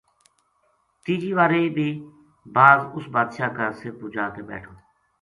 تیجی واری بی باز اُس بادشاہ کا سر پو جا کے بیٹھو